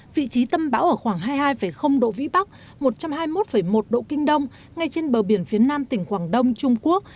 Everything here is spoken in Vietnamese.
vị trí tâm bão ở khoảng hai mươi hai độ vĩ bắc một trăm hai mươi một một độ kinh đông ngay trên bờ biển phía nam tỉnh quảng đông trung quốc